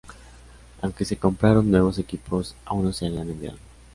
Aunque se compraron nuevos equipos, aún no se habían enviado.